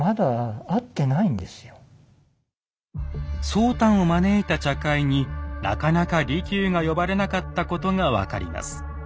宗湛を招いた茶会になかなか利休が呼ばれなかったことが分かります。